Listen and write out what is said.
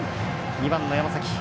２番の山崎。